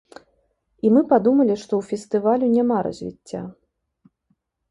І мы падумалі, што ў фестывалю няма развіцця.